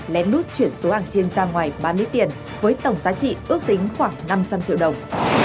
lén nút chuyển số hàng chiên ra ngoài ba lít tiền với tổng giá trị ước tính khoảng năm trăm linh triệu đồng